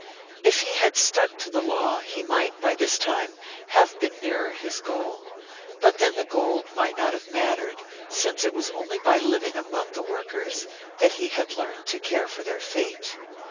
If he had stuck to the law he might, by this time, have been nearer his goal; but then the gold might not have mattered, since it was only by living among the workers that he had learned to care for their fate.